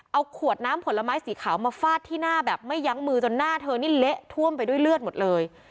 เอาขวดน้ำผลไม้สีขาวมาฟาดที่หน้าแบบไม่ยั้งมือจนหน้าเธอนี่เละท่วมไปด้วยเลือดหมดเลย